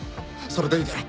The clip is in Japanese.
それでいいだろ？